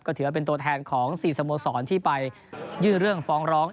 ถือว่าเป็นตัวแทนของ๔สโมสรที่ไปยื่นเรื่องฟ้องร้อง